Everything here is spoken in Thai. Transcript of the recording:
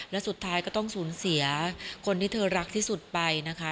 และสุดท้ายก็ต้องสูญเสียคนที่เธอรักที่สุดไปนะคะ